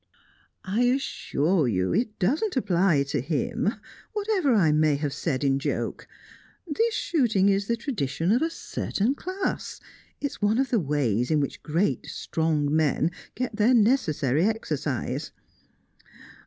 "I assure you, it doesn't apply to him, whatever I may have said in joke. This shooting is the tradition of a certain class. It's one of the ways in which great, strong men get their necessary exercise.